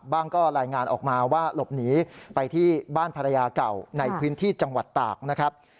ก็รายงานออกมาว่าหลบหนีไปที่บ้านภรรยาเก่าในพื้นที่จังหวัดตากนะครับ